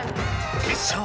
テッショウ